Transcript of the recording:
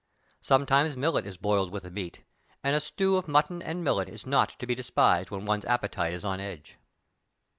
Sometimes millet is boiled with the meat ; and a stew of mutton and millet is not to be despised when one's appetite is on edge.